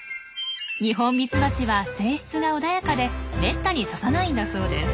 ニホンミツバチは性質が穏やかでめったに刺さないんだそうです。